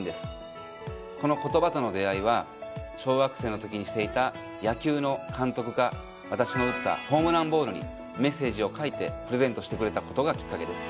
この言葉との出合いは小学生のときにしていた野球の監督が私の打ったホームランボールにメッセージを書いてプレゼントしてくれたことがきっかけです。